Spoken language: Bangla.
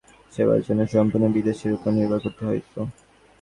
প্রথম দিকে প্রতিবন্ধী মানুষের সেবার জন্য সম্পূর্ণভাবে বিদেশের ওপর নির্ভর করতে হতো।